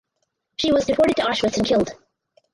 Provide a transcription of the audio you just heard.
She was deported to Auschwitz and killed.